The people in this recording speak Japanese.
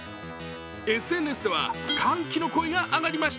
ＳＮＳでは歓喜の声が上がりました。